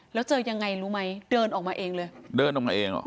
แล้วเจอยังไงรู้ไหมเดินออกมาเองเลยเดินออกมาเองหรอ